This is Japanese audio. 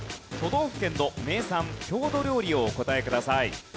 都道府県の名産・郷土料理をお答えください。